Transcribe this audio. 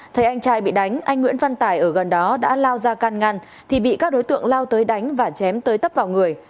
thấy anh trai bị đánh anh nguyễn văn tài ở gần đó đã lao ra can ngăn thì bị các đối tượng lao tới đánh và chém tới tấp vào người